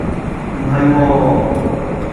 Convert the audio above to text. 唔係喎